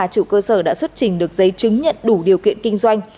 chủ cơ sở đã xuất trình được giấy chứng nhận đủ điều kiện kinh doanh